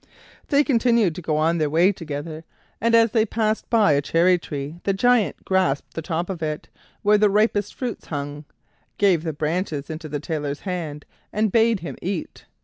They continued to go on their way together, and as they passed by a cherry tree the Giant grasped the top of it, where the ripest fruit hung, gave the branches into the Tailor's hand, and bade him eat.